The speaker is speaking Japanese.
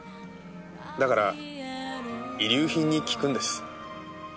だから遺留品に聞くんです。